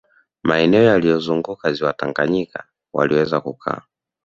Maeneo yanayolizunguka ziwa Tanganyika waliweza kukaa